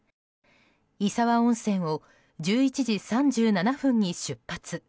石和温泉を１１時３７分に出発。